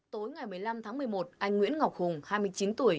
tối ngày một mươi năm tháng một mươi một anh nguyễn ngọc hùng hai mươi chín tuổi